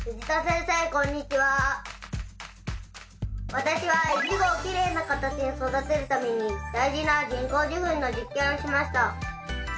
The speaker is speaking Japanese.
私はイチゴをきれいな形に育てるために大事な人工授粉の実験をしました。